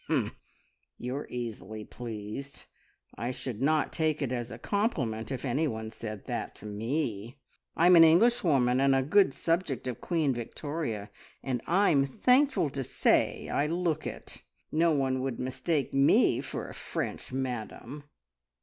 "Humph! You're easily pleased. I should not take it as a compliment if anyone said that to me. I'm an Englishwoman, and a good subject of Queen Victoria, and I'm thankful to say I look it. No one would mistake me for a French madam!"